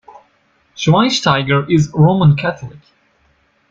Schweinsteiger is Roman Catholic.